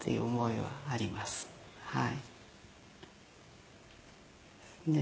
はい。